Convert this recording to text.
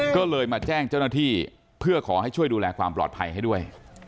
ก็เลยมาแจ้งเจ้าหน้าที่เพื่อขอให้ช่วยดูแลความปลอดภัยให้ด้วย